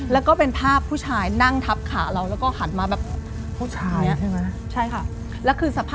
แล้วก็เป็นภาพผู้ชายนั่งทับขาเราแล้วก็หันมาแบบ